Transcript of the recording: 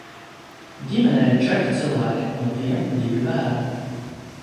Ģimenē ir četri cilvēki, no tiem divi bērni.